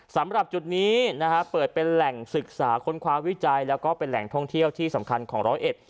สำหรับจุดนี้นะฮะเปิดเป็นแหล่งศึกษาค้นคว้าวิจัยแล้วก็เป็นแหล่งท่องเที่ยวที่สำคัญของร้อยเอ็ด